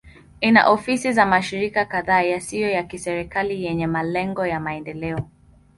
Ina ofisi za mashirika kadhaa yasiyo ya kiserikali yenye malengo ya maendeleo.